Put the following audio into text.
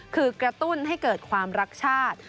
คือกระตุ้นให้เกิดความรักชาติ